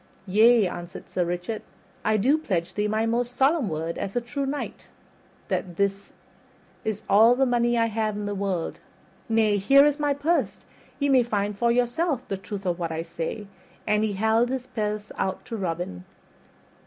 "Yea," answered Sir Richard, "I do pledge thee my most solemn word, as a true knight, that it is all the money I have in the world. Nay, here is my purse, ye may find for yourselves the truth of what I say." And he held his purse out to Robin.